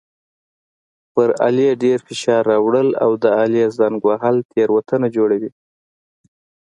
پر آلې ډېر فشار راوړل او د آلې زنګ وهل تېروتنه جوړوي.